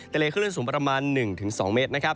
ทะเลขึ้นสูงประมาณ๑๒เมตร